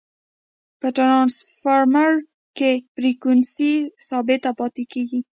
په ټرانسفرمر کی فریکوینسي ثابته پاتي کیږي.